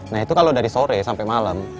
nah itu kalau dari sore sampai malam